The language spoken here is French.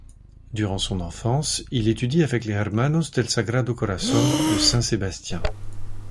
Durant son enfance, il étudie avec les Hermanos del Sagrado Corazón de Saint-Sébastien.